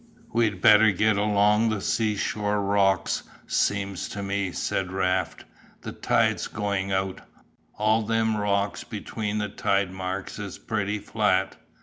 "We'd better get along the sea shore rocks, seems to me," said Raft, "the tide's going out, all them rocks between tide marks is pretty flat."